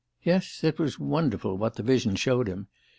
Yes, it was wonderful what the vision showed him.